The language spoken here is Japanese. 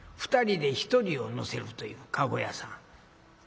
２人で１人を乗せるという駕籠屋さん。